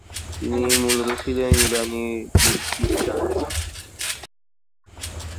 তিনি মূলত ছিলেন ইরাকি কুর্দিস্তানের।